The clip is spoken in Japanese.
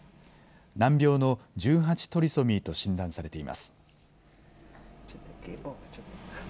難病の１８トリソミーと診断されています。